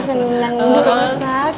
senang benar pak